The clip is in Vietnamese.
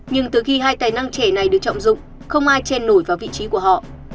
nhưng từ khi hai tài năng trẻ này được trọng dụng không ai chen nổi vào vị trí của họ